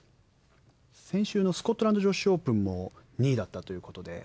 先週のスコットランド女子オープンも２位だったということで。